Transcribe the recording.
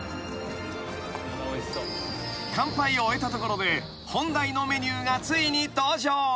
［乾杯を終えたところで本題のメニューがついに登場］